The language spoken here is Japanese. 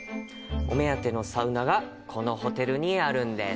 お目当てのサウナがこのホテルにあるんです。